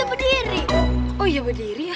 aku aja berdiri